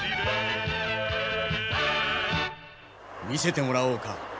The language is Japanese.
「見せてもらおうか。